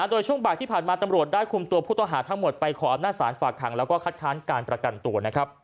โดยช่วงบ่ายที่ผ่านมาตำรวจได้คุมตัวผู้ต้องหาทั้งหมดไปขออำนาจศาลฝากขังแล้วก็คัดค้านการประกันตัว